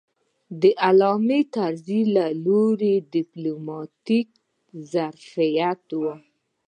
د علامه طرزي لوی ډیپلوماتیک ظرافت و.